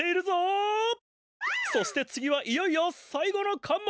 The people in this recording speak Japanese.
そして次はいよいよさい後のかん門。